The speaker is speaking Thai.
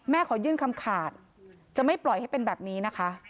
ขอยื่นคำขาดจะไม่ปล่อยให้เป็นแบบนี้นะคะ